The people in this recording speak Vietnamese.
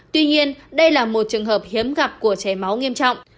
tuy nhiên đây là một trường hợp hiếm gặp của cháy máu nghiêm trọng